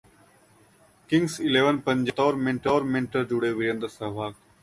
Kings eleven Punjab से बतौर mentor जुड़े वीरेंद्र सहवाग